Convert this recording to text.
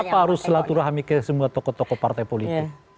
kenapa harus silaturahmi ke semua tokoh tokoh partai politik